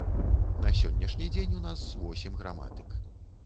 На сённяшні дзень у нас восем граматык.